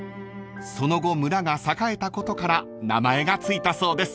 ［その後村が栄えたことから名前が付いたそうです］